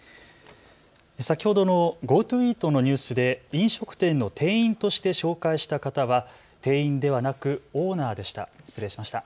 先ほどのＧｏＴｏイートのニュースで飲食店の店員として紹介した方は店員ではなくオーナーでした。